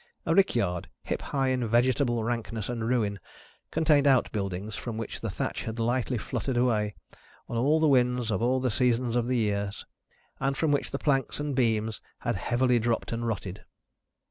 A rickyard, hip high in vegetable rankness and ruin, contained outbuildings from which the thatch had lightly fluttered away, on all the winds of all the seasons of the year, and from which the planks and beams had heavily dropped and rotted.